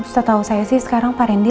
setahu saya sih sekarang pak randy